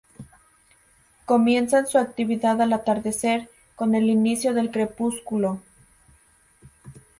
Comienzan su actividad al atardecer, con el inicio del crepúsculo.